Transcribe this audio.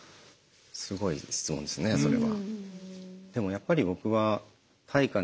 すごい質問ですねそれは。